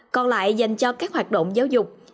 còn lại dành cho các hoạt động giáo dục